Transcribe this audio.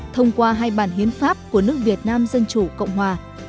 thông qua hai bản hiến pháp của nước việt nam dân chủ cộng hòa